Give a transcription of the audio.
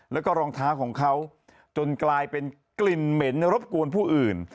แล้วก็รองเท้าของเขาจนกลายเป็นกลิ่นเหม็นรบกวนผู้อื่น